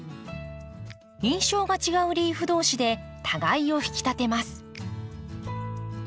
印象が違うリーフ同士で互いを引き立てます。